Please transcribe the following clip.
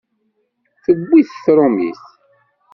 Tewwi-t tṛumit.